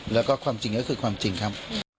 แล้วก็ความจริงก็คือความจริงครับ